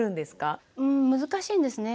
うん難しいんですね。